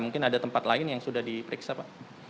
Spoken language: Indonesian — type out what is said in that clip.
mungkin ada tempat lain yang sudah diperiksa pak